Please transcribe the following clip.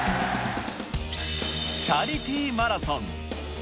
チャリティーマラソン。